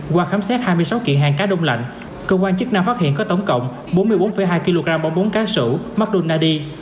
qua khám xét hai mươi sáu kiện hàng cá đông lạnh cơ quan chức năng phát hiện có tổng cộng bốn mươi bốn hai kg bóng bóng cá sữa mardunadi